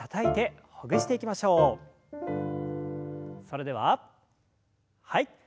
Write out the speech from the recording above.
それでははい。